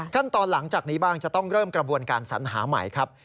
หลังจากนี้บ้างจะต้องเริ่มกระบวนการสัญหาใหม่ครับ